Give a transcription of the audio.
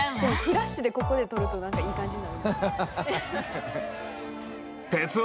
フラッシュでここで撮ると何かいい感じに。